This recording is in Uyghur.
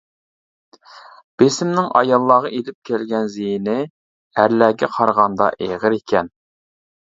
بېسىمنىڭ ئاياللارغا ئېلىپ كەلگەن زىيىنى ئەرلەرگە قارىغاندا ئېغىر ئىكەن.